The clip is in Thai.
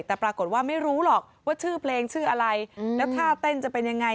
แต่ปรากฏว่าไม่รู้หรอกว่าชื่อเพลงชื่ออะไรแล้วท่าเต้นจะเป็นยังไง